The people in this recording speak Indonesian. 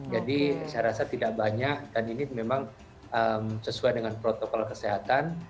jadi saya rasa tidak banyak dan ini memang sesuai dengan protokol kesehatan